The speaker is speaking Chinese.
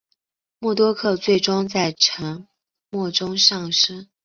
默多克最终在沉没中丧生。